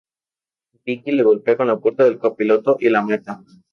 Vicky le golpea con la puerta del copiloto y la mata.